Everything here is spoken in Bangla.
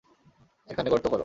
এখানে গর্ত কর।